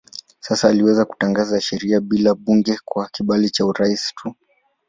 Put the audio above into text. Sasa aliweza kutangaza sheria bila bunge kwa kibali cha rais tu.